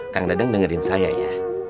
kang dadang dengerin saya ya